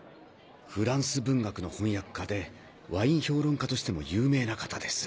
フランス文学の翻訳家でワイン評論家としても有名な方です。